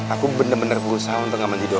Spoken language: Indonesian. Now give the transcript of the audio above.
aku bener bener berusaha untuk nggak menjadi doa